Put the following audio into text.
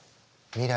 未来？